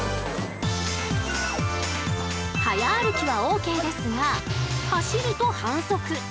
早歩きはＯＫですが走ると反則。